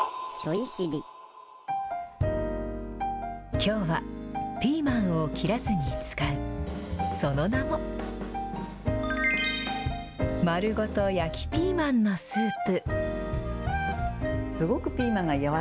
きょうは、ピーマンを切らずに使う、その名も、まるごと焼きピーマンのスープ。